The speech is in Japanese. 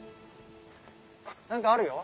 何かあるよ。